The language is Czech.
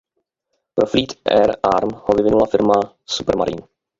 Pro Fleet Air Arm ho vyvinula firma Supermarine.